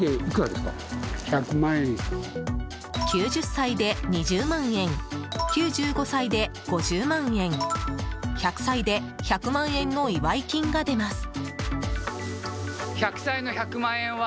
９０歳で２０万円９５歳で５０万円１００歳で１００万円の祝い金が出ます。